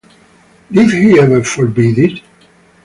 Did he ever forbid it?